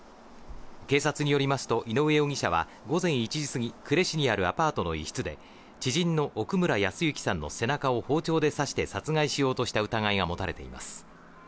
警察によりますと、井上容疑者は午前１時すぎ、呉市にあるアパートの一室で知人の奥村康之さんの背中を包丁で刺して殺害しようとした疑いが持たれています。